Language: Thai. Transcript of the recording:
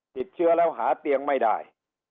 ติดเชื้อแล้วหาเตียงไม่ได้